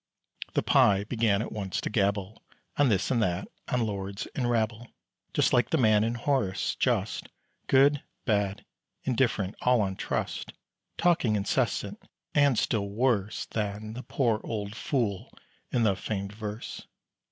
The Pie began at once to gabble On this and that, on lords and rabble; Just like the man in Horace just, Good, bad, indifferent, all on trust; Talking incessant, and still worse Than the poor fool in the famed verse.